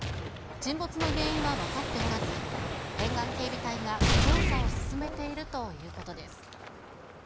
沈没の原因は分かっておらず、沿岸警備隊が調査を進めているということです。